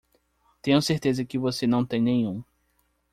Tenho certeza que você não tem nenhum.